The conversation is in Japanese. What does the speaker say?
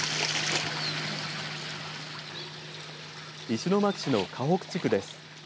石巻市の河北地区です。